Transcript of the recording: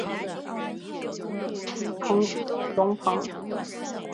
努伊隆蓬。